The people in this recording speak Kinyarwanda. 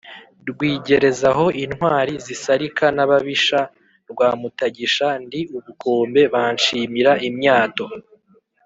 Rwigerezaho intwali zisarika n’ababisha rwa Mutagisha ndi ubukombe banshimira imyato